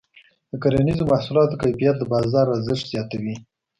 د کرنیزو محصولاتو کیفیت د بازار ارزښت زیاتوي.